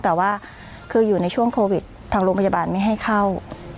แต่ว่าคืออยู่ในช่วงโควิดทางโรงพยาบาลไม่ให้เข้า